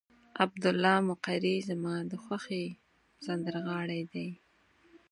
عبدالله مقری زما د خوښې سندرغاړی دی.